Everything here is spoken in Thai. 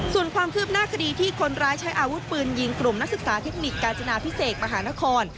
ส่วนความคืบหน้าคดีที่คนร้ายใช้อาวุธปืนยิงกลุ่มนักศึกษาเทคนิคกาญจนาพิเศษมหานคร